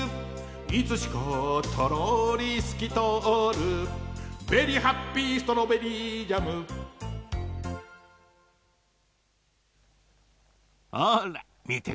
「いつしかトローリすきとおる」「ベリー・ハッピー・ストロベリージャム」ほらみてごらん。